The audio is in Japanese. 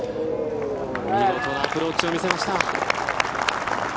見事なアプローチを見せました。